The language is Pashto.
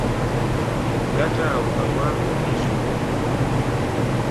ګټه او تاوان وپېژنئ.